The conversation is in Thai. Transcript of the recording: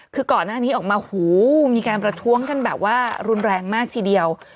คือก่อนหน้านี้ออกมาหูมีการประท้วงกันแบบว่ารุนแรงมากทีเดียว